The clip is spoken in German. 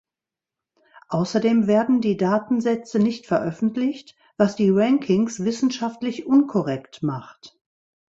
Außerdem werden die Datensätze nicht veröffentlicht, was die Rankings wissenschaftlich unkorrekt macht.